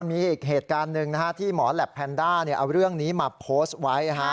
มีอีกเหตุการณ์หนึ่งที่หมอแหลปแพนด้าเอาเรื่องนี้มาโพสต์ไว้